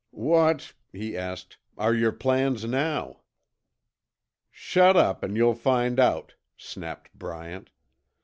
"What," he asked, "are your plans now?" "Shut up an' you'll find out," snapped Bryant.